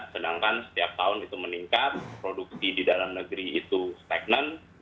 sedangkan setiap tahun itu meningkat produksi di dalam negeri itu stagnan